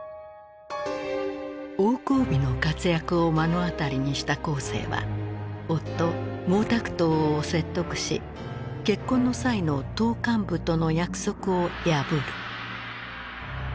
王光美の活躍を目の当たりにした江青は夫毛沢東を説得し結婚の際の党幹部との約束を破る。